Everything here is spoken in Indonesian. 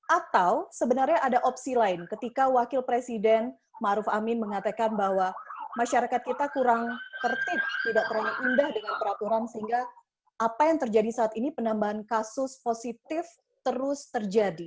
atau sebenarnya ada opsi lain ketika wakil presiden maruf amin mengatakan bahwa masyarakat kita kurang tertib tidak terlalu indah dengan peraturan sehingga apa yang terjadi saat ini penambahan kasus positif terus terjadi